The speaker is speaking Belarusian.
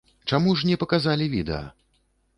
Чаму ж не паказалі відэа?